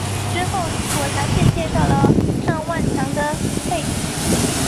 之后雨果详细介绍了尚万强的背景。